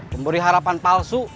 pemberi harapan palsu